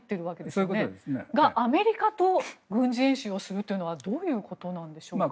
それがアメリカと軍事演習をするというのはどういうことなんでしょうか。